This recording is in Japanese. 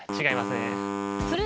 違いますね。